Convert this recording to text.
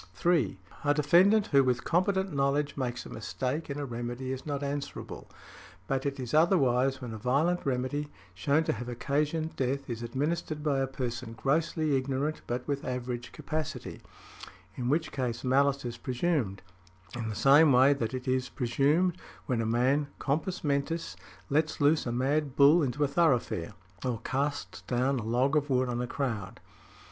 |92| 3. A defendant who, with competent knowledge, makes a mistake in a remedy is not answerable, but it is otherwise when a violent remedy, shewn to have occasioned death, is administered by a person grossly ignorant but with average capacity, in which case malice is presumed in the same way that it is presumed when a man compos mentis lets loose a mad bull into a thoroughfare, or casts down a log of wood on a crowd.